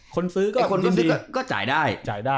คนซื้อก็จายได้